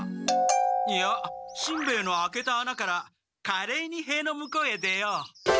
いやしんべヱの開けたあなから「かれいに」塀の向こうへ出よう。